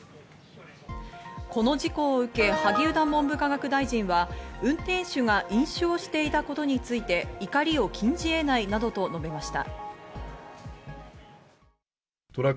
この事故を受け、萩生田文部科学大臣は運転手が飲酒をしていたことについて、怒りを禁じ得ないなどと述べました。